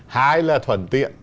hai là thuận tiện